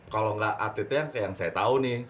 kalau nggak atletnya kayak yang saya tahu nih